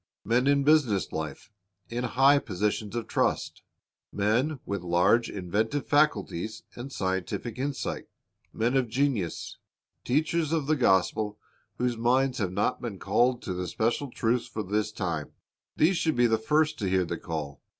Men in business life, in high positions of trust, men with large inventive faculties and scientific insight, men of genius, teachers of the gospel whose minds have not been called to the special truths for this time, — these should be the first to hear the call.